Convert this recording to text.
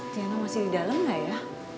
tiano masih di dalam gak ya